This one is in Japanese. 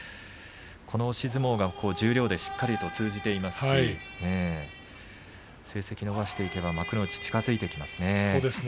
この押し相撲が十両でしっかりと通じていますし成績を伸ばしていけば幕内、近づいてきますね。